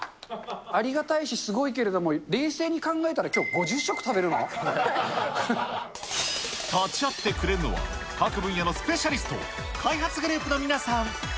ありがたいし、すごいけれども、冷静に考えたら、きょう、５０食立ち会ってくれるのは、各分野のスペシャリスト、開発グループの皆さん。